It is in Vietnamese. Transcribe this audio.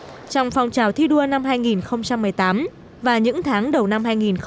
trong phong trào thi đua năm hai nghìn một mươi tám và những tháng đầu năm hai nghìn một mươi chín